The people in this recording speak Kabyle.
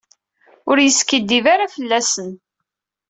Ur yeskiddib ara fell-asen.